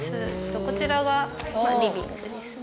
こちらがリビングですね。